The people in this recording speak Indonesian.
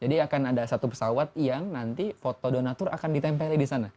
jadi akan ada satu pesawat yang nanti foto donatur akan ditempeli di sana